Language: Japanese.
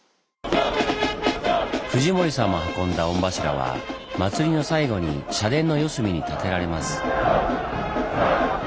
藤森さんも運んだ御柱は祭りの最後に社殿の四隅に立てられます。